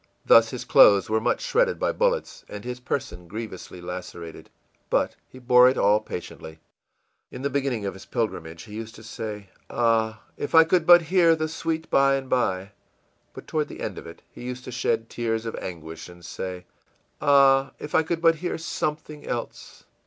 Thus his clothes were much shredded by bullets and his person grievously lacerated. But he bore it all patiently. In the beginning of his pilgrimage he used often to say, ìAh, if I could but hear the 'Sweet By and by'!î But toward the end of it he used to shed tears of anguish and say, ìAh, if I could but hear something else!